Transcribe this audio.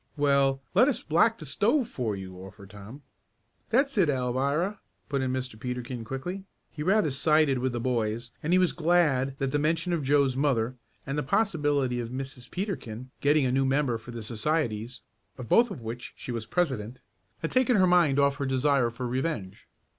"Well, let us black the stove for you," offered Tom. "That's it, Alvirah," put in Mr. Peterkin quickly. He rather sided with the boys, and he was glad that the mention of Joe's mother, and the possibility of Mrs. Peterkin getting a new member for the societies, of both of which she was president, had taken her mind off her desire for revenge.